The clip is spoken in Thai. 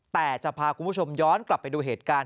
แต่จะพาคุณผู้ชมย้อนกลับไปดูเหตุการณ์